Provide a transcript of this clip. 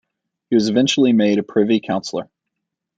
He was eventually made a privy councillor.